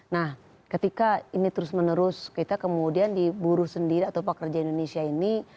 nah ketika ini terus menerus kita kemudian di buruh sendiri atau pekerja indonesia ini